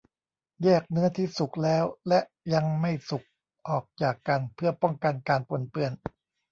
แยกเนื้อที่สุกแล้วและยังไม่สุกออกจากกันเพื่อป้องกันการปนเปื้อน